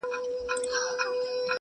• اوس د میني ځای نیولی سپین او سرو دی,